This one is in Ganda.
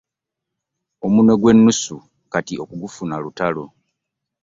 Omunwe gw'ennusu kati okugufuna lutalo.